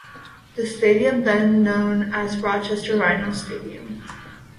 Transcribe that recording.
The stadium then became known as Rochester Rhinos Stadium.